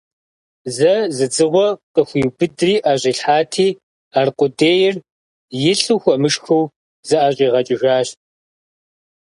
Зэ зы дзыгъуэ къыхуиубыдри ӀэщӀилъхьати, аркъудейр, илӀу хуэмышхыу, зыӀэщӀигъэкӀыжащ!